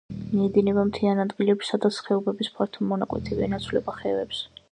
მიედინება მთიან ადგილებში, სადაც ხეობების ფართო მონაკვეთები ენაცვლება ხევებს.